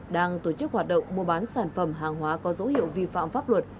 đang tổ chức hoạt động mua bán sản phẩm hàng hóa có dấu hiệu vi phạm pháp luật